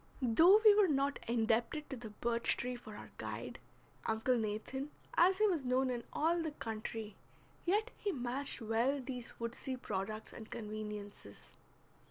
Though we were not indebted to the birch tree for our guide, Uncle Nathan, as he was known in all the country, yet he matched well these woodsy products and conveniences.